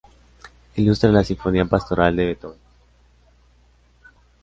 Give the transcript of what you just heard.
Ilustra la Sinfonía pastoral de Beethoven.